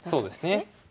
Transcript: そうですね。